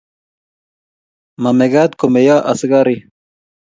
mamekat ko meyo askarik